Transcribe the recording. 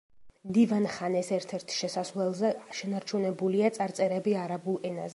დივან-ხანეს ერთ-ერთ შესასვლელზე შენარჩუნებულია წარწერები არაბულ ენაზე.